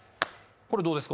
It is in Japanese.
これどうですか？